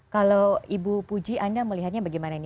kalau ibu puji anda melihatnya bagaimana ini